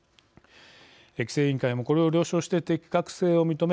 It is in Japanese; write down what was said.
規制委員会もこれを了承して適格性を認め